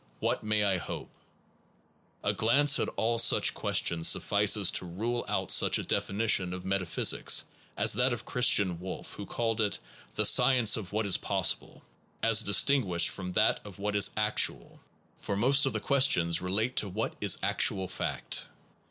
What may I hope? A glance at all such questions suffices to rule out such a definition of metaphysics as that of Meta Christian Wolff, who called it the physics defined science of what is possible, as dis tinguished from that of what is actual, for most of the questions relate to what is actual fact.